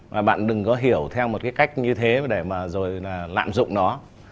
và bạn đừng có hiểu theo một cái cách như thế để mà rồi là lạm dụng nó